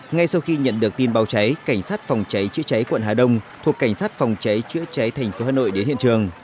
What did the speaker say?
ngay sau khi nhận được tin báo cháy cảnh sát phòng cháy chữa cháy quận hà đông thuộc cảnh sát phòng cháy chữa cháy thành phố hà nội đến hiện trường